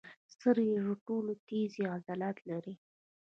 سترګې تر ټولو تېز عضلات لري.